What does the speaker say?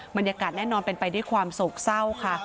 บรรยากาศแน่นอนเป็นไปด้วยความโศกเศร้าค่ะ